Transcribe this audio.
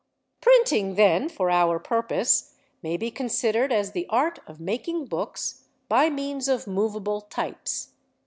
Printing, then, for our purpose, may be considered as the art of making books by means of movable types.